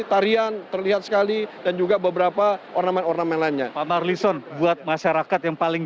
tarian terlihat sekali dan juga beberapa ornamen ornamen lainnya pak marlison buat masyarakat yang paling